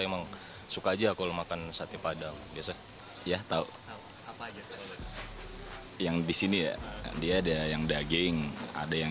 emang suka aja kalau makan sate padang biasa ya tahu yang di sini dia ada yang daging ada yang